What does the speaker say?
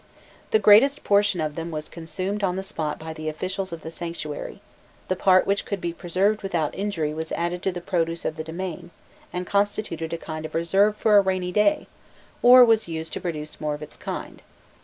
The greatest portion of them was consumed on the spot by the officials of the sanctuary; the part which could be preserved without injury was added to the produce of the domain, and constituted a kind of reserve for a rainy day, or was used to produce more of its kind.